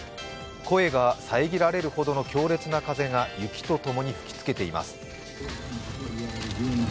声が遮られるほどの強烈な風が雪と共に吹きつけています。